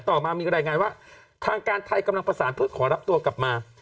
ต่อมามีรายงานว่าทางการไทยกำลังประสานเพื่อขอรับตัวกลับมา